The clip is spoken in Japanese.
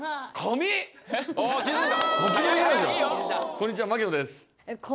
こんにちは槙野です